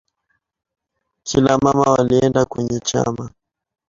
Kina mama walienda kwenye chama.